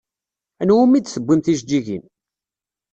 Anwa umi d-tewwim tijeǧǧigin?